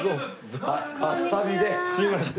すいません。